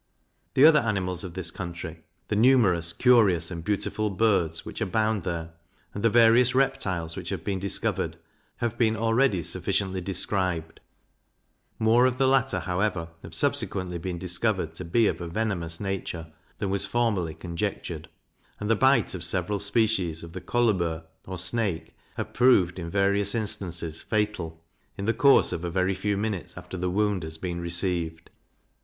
The other animals of this country; the numerous, curious, and beautiful birds, which abound there; and the various reptiles which have been discovered, have been already sufficiently described: More of the latter, however, have subsequently been discovered to be of a venomous nature than was formerly conjectured; and the bite of several species of the Coluber, or Snake, have proved, in various instances, fatal, in the course of a very few minutes after the wound has been received.